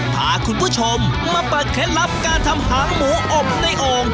พาคุณผู้ชมมาเปิดเคล็ดลับการทำหางหมูอบในโอ่ง